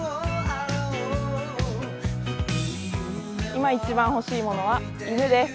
今、一番欲しいものは犬です。